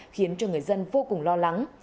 khiến cho người dân vô cùng lo lắng